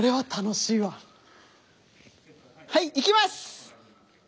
はいいきます！